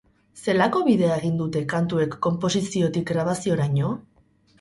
Zelako bidea egin dute kantuek konposiziotik grabazioraino?